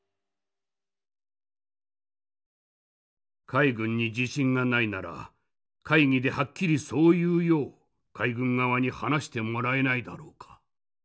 海軍に自信がないなら会議ではっきりそう言うよう海軍側に話してもらえないだろうか。